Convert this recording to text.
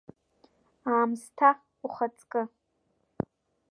Аамсҭа, ухаҵкы!